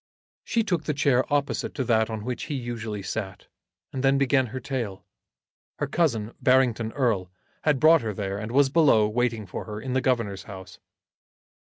She took the chair opposite to that on which he usually sat, and then began her tale. Her cousin, Barrington Erle, had brought her there, and was below, waiting for her in the Governor's house.